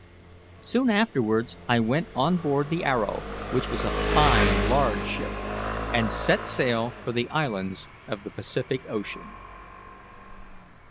Soon afterwards I went on board the Arrow, which was a fine, large ship, and set sail for the islands of the Pacific Ocean.